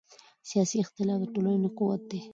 سیاسي اختلاف د ټولنې قوت دی